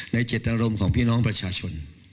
ในเจตนรมของพี่น้องประชาชน